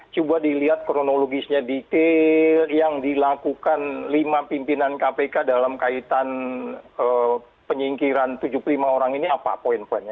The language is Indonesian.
coba dilihat kronologisnya detail yang dilakukan lima pimpinan kpk dalam kaitan penyingkiran tujuh puluh lima orang ini apa poin poinnya